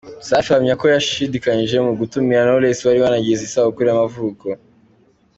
Safi ahamya ko yashidikanyije mu gutumira knowless wari wanagize isabukuru y’amavuko.